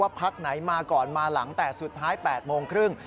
พักไหนมาก่อนมาหลังแต่สุดท้าย๘โมงครึ่ง